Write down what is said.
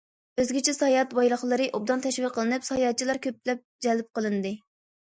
ئۆزگىچە ساياھەت بايلىقلىرى ئوبدان تەشۋىق قىلىنىپ، ساياھەتچىلەر كۆپلەپ جەلپ قىلىندى.